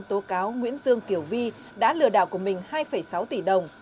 tố cáo nguyễn dương kiều vi đã lừa đảo của mình hai sáu tỷ đồng